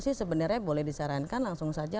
sih sebenarnya boleh disarankan langsung saja